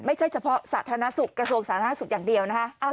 ไม่ใช่เฉพาะสาธารณสุขกระทรวงสาธารณสุขอย่างเดียวนะคะ